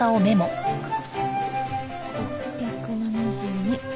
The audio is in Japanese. ６７２。